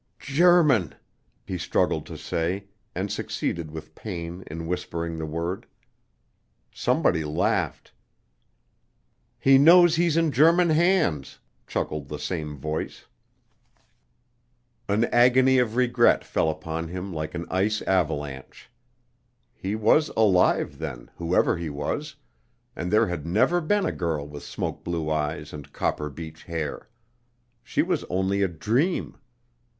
"G erman," he struggled to say, and succeeded with pain in whispering the word. Somebody laughed. "He knows he's in German hands!" chuckled the same voice. An agony of regret fell upon him like an ice avalanche. He was alive, then, whoever he was, and there had never been a girl with smoke blue eyes and copper beech hair! She was only a dream.